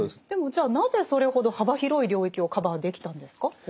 でもじゃあなぜそれほど幅広い領域をカバーできたんですか？